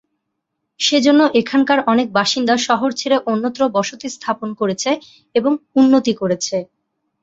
সেজন্য এখানকার অনেক বাসিন্দা শহর ছেড়ে অন্যত্র বসতি স্থাপন করেছে এবং উন্নতি করেছে।